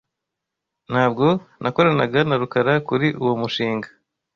Ntabwo nakoranaga na Rukara kuri uwo mushinga.